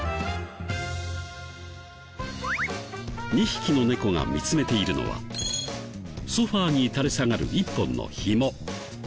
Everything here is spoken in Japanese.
２匹の猫が見つめているのはソファに垂れ下がる１本のひも。